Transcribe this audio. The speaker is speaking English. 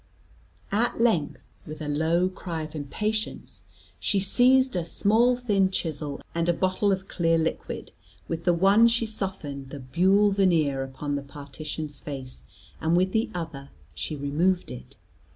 At length, with a low cry of impatience, she seized a small, thin chisel, and a bottle of clear liquid: with the one she softened the buhl veneer upon the partition's face, and with the other she removed it.